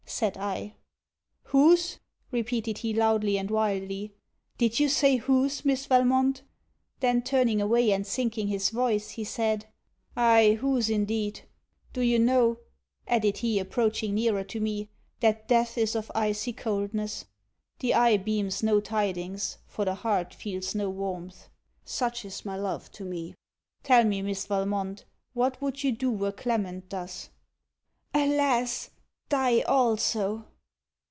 said I. 'Whose?' repeated he loudly and wildly. 'Did you say whose, Miss Valmont?' Then turning away and sinking his voice, he said, 'Ay whose, indeed! Do you know,' added he, approaching nearer to me, 'that death is of icy coldness! The eye beams no tidings, for the heart feels no warmth! Such is my love to me! Tell me, Miss Valmont, what would you do were Clement thus?' 'Alas! Die also!'